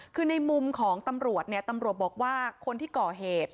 คือในมุมของตำรวจเนี่ยตำรวจบอกว่าคนที่ก่อเหตุ